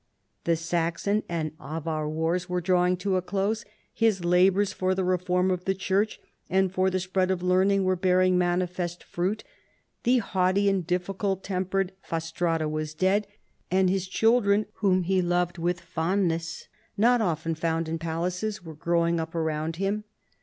The Saxon and Avar wars were drawing to a close, his labors for the reform of the Church and for the spread of learning were bearing manifest fruit : the haughty and difficult tempered Fastrada was dead, and his children, whom 286 CHARLEMAGNE. he loved with fondness not often found in palaces, were growing up around him.